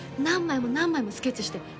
何枚も何枚もスケッチして。